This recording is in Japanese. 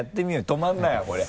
止まんないわこれ。